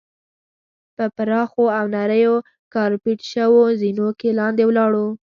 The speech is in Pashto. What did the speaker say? په پراخو او نریو کارپیټ شوو زینو کې لاندې ولاړو.